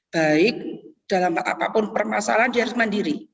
baik dalam apapun permasalahan dia harus mandiri